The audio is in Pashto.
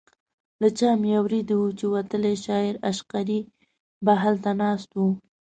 له چا مې اورېدي وو چې وتلی شاعر عشقري به هلته ناست و.